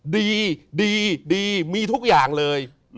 ดีดีมีทุกอย่างเลย